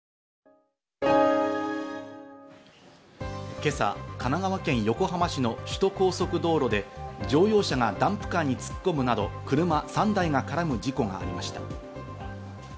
今朝、神奈川県横浜市の首都高速道路で、乗用車がダンプカーに突っ込むなど、車３台が絡む事故がありました。